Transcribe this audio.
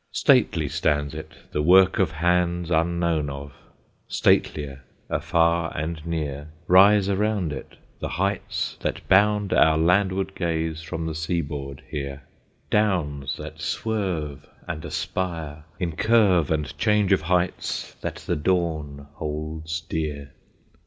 Stately stands it, the work of hands unknown of: statelier, afar and near, Rise around it the heights that bound our landward gaze from the seaboard here; Downs that swerve and aspire, in curve and change of heights that the dawn holds dear.